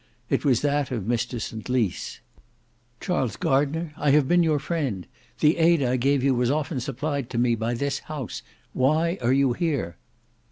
It was that of Mr St Lys. Charles Gardner, "I have been your friend. The aid I gave you was often supplied to me by this house. Why are you here?"